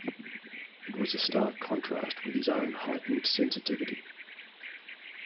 It was a stark contrast with his own heightened sensitivity.